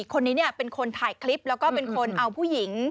คนนี้เป็นคนถ่ายคลิปแล้วก็เป็นคนเอาผู้หญิง